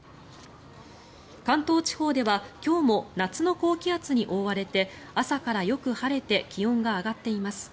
関東地方では今日も夏の高気圧に覆われて朝からよく晴れて気温が上がっています。